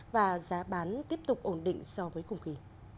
và giá bán tiếp tục ổn định so với cùng kỳ